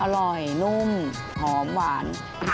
อร่อยนุ่มหอมหวาน